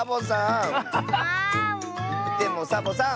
でもサボさん。